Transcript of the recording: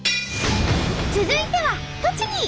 続いては栃木！